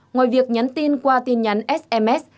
ngoài việc nhắn tin qua tin nhắn sms